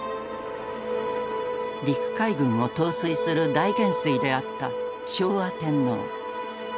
陸海軍を統帥する大元帥であった昭和天皇。